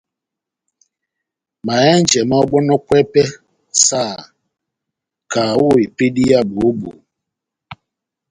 Mahɛ́njɛ máháhɔbɔnɔkwɛ pɛhɛ sahakahá ó epédi yá bohó-bohó.